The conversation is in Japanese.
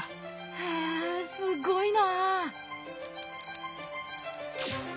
へえすごいな。